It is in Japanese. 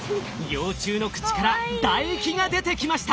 幼虫の口から唾液が出てきました。